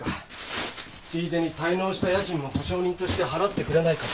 ついでに滞納した家賃も保証人として払ってくれないか」